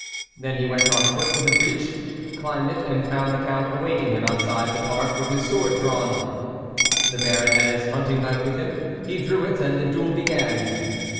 Then he went on foot to the breach, climbed it, and found the Count awaiting him outside the park, with his sword drawn. The Baron had his hunting knife with him ; he drew it, and the duel began."